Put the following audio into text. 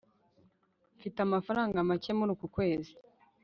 mfite amafaranga make muri uku kwezi